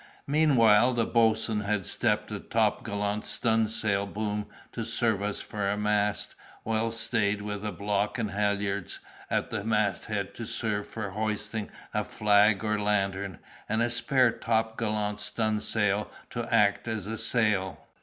Meanwhile, the boatswain had stepped a topgallant stun' sail boom to serve us for a mast, well stayed, with a block and halyards at the masthead to serve for hoisting a flag or lantern, and a spare topgallant stun' sail to act as a sail.